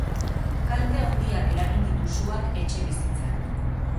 Kalte handiak eragin ditu suak etxebizitzan.